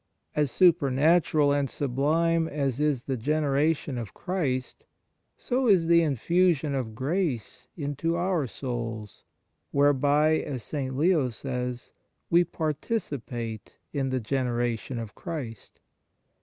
As supernatural and sublime as is the generation of Christ, so is the in fusion of grace into our souls, whereby, as St. Leo says, we participate in the generation of Christ.